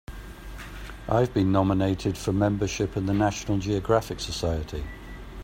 I've been nominated for membership in the National Geographic Society.